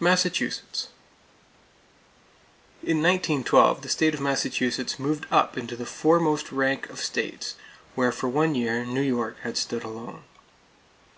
Massachusetts: In 1912 the state of Massachusetts moved up into the foremost rank of states, where for one year New York had stood alone.